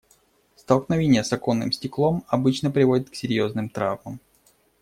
Столкновение с оконным стеклом обычно приводит к серьёзным травмам.